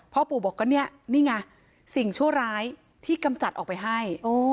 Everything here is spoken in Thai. พ่อปู่บอกก็เนี่ยนี่ไงสิ่งชั่วร้ายที่กำจัดออกไปให้